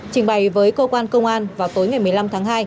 trình bày với cơ quan công an vào tối ngày một mươi năm tháng hai